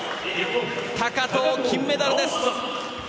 高藤、金メダルです。